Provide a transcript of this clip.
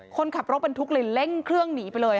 คนขับรถบรรทุกเลยเร่งเครื่องหนีไปเลย